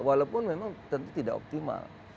walaupun memang tentu tidak optimal